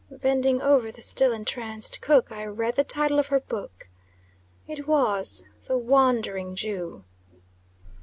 Bending over the still entranced cook, I read the title of her book. It was "THE WANDERING JEW."